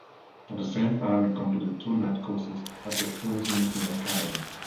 At the same time he completed two night courses at the Frunze Military Academy.